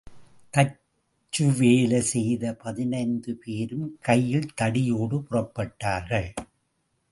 தச்சு வேலை செய்த பதினைந்து பேரும் கையில்தடியோடு புறப்பட்டார்கள்.